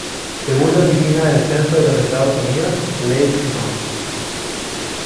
Según la Oficina del Censo de los Estados Unidos, Lake No.